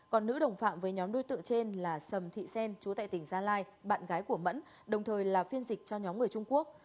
còn nữ đồng phạm với nhóm đối tượng trên là sầm thị xen chú tại tỉnh gia lai bạn gái của mẫn đồng thời là phiên dịch cho nhóm người trung quốc